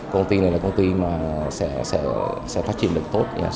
công ty này là công ty mà sẽ phát triển được tốt